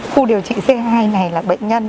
khu điều trị c hai này là bệnh nhân